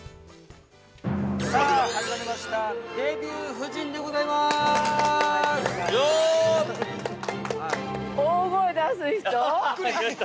◆さあ、始まりました「デビュー夫人」でございます。